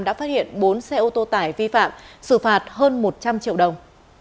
đã phát hiện bốn xe ô tô tải vi phạm xử phạt hơn một trăm linh triệu đồng